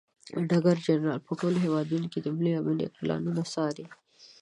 ډګر جنرال په ټول هیواد کې د ملي امنیت پلانونه څاري.